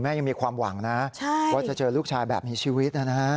ยังมีความหวังนะว่าจะเจอลูกชายแบบมีชีวิตนะฮะ